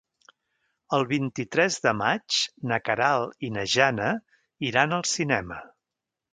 El vint-i-tres de maig na Queralt i na Jana iran al cinema.